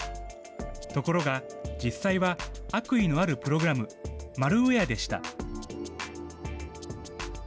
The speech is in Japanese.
ところが、実際は悪意のあるプログラム・マルウエアでした。